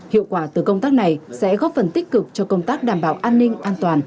hiệu quả từ công tác này sẽ góp phần tích cực cho công tác đảm bảo an ninh an toàn